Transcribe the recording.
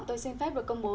tôi xin phép được công bố